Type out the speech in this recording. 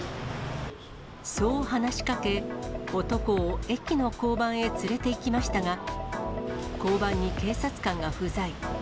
そう話しかけ、男を駅の交番へ連れていきましたが、交番に警察官が不在。